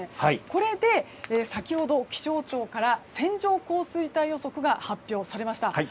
これで先ほど、気象庁から線状降水帯予測が発表されました。